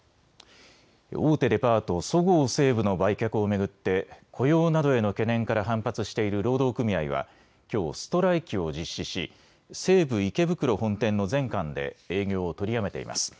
大手デパート、そごう・西武の売却を巡って雇用などへの懸念から反発している労働組合はきょうストライキを実施し西武池袋本店の全館で営業を取りやめています。